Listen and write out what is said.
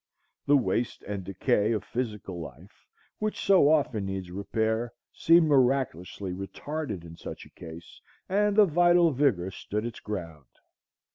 The waste and decay of physical life, which so often needs repair, seemed miraculously retarded in such a case, and the vital vigor stood its ground.